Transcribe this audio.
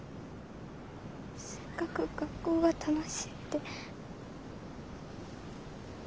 せっかく学校が楽しいって。